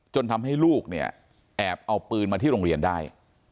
จนทำให้ลูกเนี่ยแอบเอาปืนมาที่โรงเรียนได้